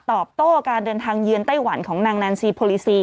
ตอบโต้การเดินทางเยือนไต้หวันของนางแนนซีโพลิซี